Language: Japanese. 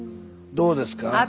どうですか？